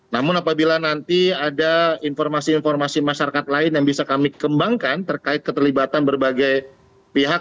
namun apabila nanti ada informasi informasi masyarakat lain yang bisa kami kembangkan terkait keterlibatan berbagai pihak